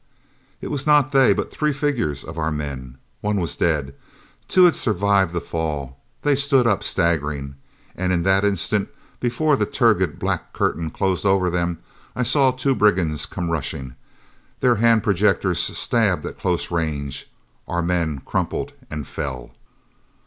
It was not they, but three figures of our men. One was dead. Two had survived the fall. They stood up, staggering. And in that instant, before the turgid black curtain closed over them, I saw two brigands come rushing. Their hand projectors stabbed at close range. Our men crumpled and fell....